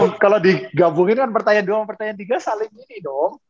kan kalau digabungin kan pertanyaan dua sama pertanyaan tiga saling gini dong